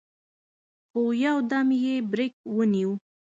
خو يودم يې برېک ونيو.